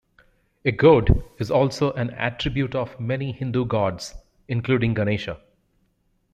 A goad is also an attribute of many Hindu gods, including Ganesha.